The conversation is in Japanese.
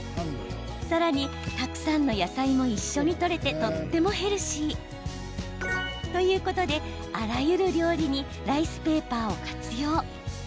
さらにたくさんの野菜も一緒にとれてとってもヘルシー。ということで、あらゆる料理にライスペーパーを活用。